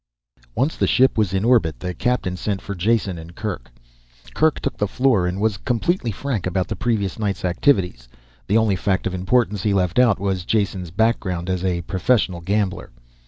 Once the ship was in orbit the captain sent for Jason and Kerk. Kerk took the floor and was completely frank about the previous night's activities. The only fact of importance he left out was Jason's background as a professional gambler.